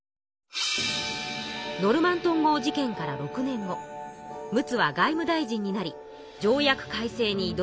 ノルマントン号事件から６年後陸奥は外務大臣になり条約改正に挑みます。